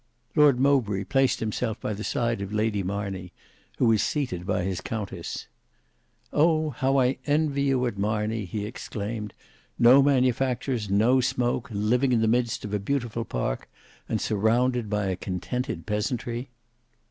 Lord Mowbray placed himself by the side of Lady Marney, who was seated by his countess. "Oh! how I envy you at Marney," he exclaimed. "No manufactures, no smoke; living in the midst of a beautiful park and surrounded by a contented peasantry!"